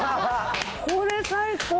これ最高！